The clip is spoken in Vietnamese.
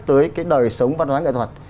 tới cái đời sống văn hóa nghệ thuật